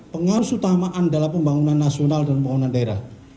pengarus utama andalah pembangunan nasional dan pembangunan daerah